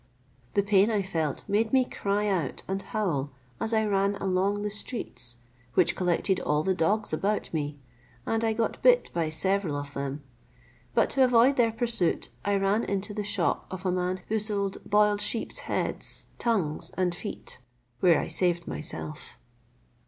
The pain I felt made me cry out and howl as I ran along the streets, which collected all the dogs about me, and I got bit by several of them; but to avoid their pursuit, I ran into the shop of a man who sold boiled sheep's heads, tongues, and feet, where I saved myself.